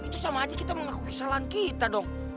itu sama aja kita mengakui kesalahan kita dong